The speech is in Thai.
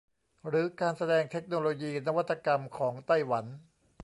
หรือการแสดงเทคโนโลยีนวัตกรรมของไต้หวัน